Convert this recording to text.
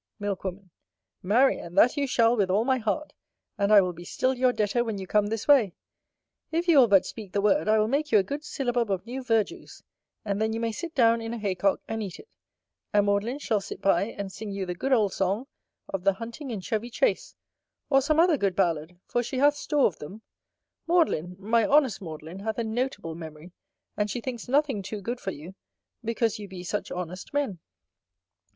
Milk woman. Marry, and that you shall with all my heart; and I will be still your debtor when you come this way. If you will but speak the word, I will make you a good syllabub of new verjuice; and then you may sit down in a haycock, and eat it; and Maudlin shall sit by and sing you the good old song of the "Hunting in Chevy Chace," or some other good ballad, for she hath store of them: Maudlin, my honest Maudlin, hath a notable memory, and she thinks nothing too good for you, because you be such honest men.